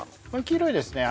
黄色いですね